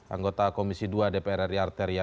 anggota komisi dua dpr ri arteria